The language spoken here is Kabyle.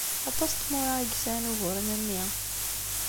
Aṭas n tmura ay yesɛan uguren am wi.